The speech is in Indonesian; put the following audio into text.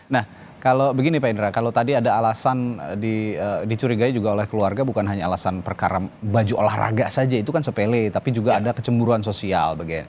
nah kalau begini pak indra kalau tadi ada alasan dicurigai juga oleh keluarga bukan hanya alasan perkara baju olahraga saja itu kan sepele tapi juga ada kecemburuan sosial